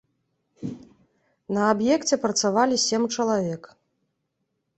На аб'екце працавалі сем чалавек.